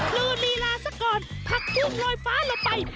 ดูลีลาซะก่อนผักกุ้งลอยฟ้าลงไป